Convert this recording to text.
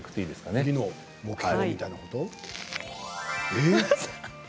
次の目標みたいなことええ？